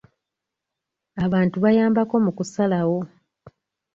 Abantu bayambako mu kusalawo.